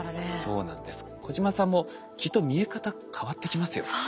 小島さんもきっと見え方変わってきますよ。